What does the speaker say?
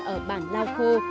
ở bản lao khô